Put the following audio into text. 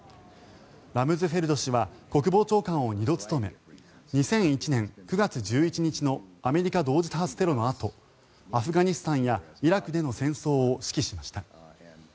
ラムズフェルド氏は国防長官を２度務め２００１年９月１１日のアメリカ同時多発テロのあとアフガニスタンやイラクでの戦争を指揮しました。